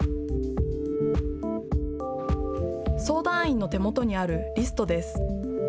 相談員の手元にあるリストです。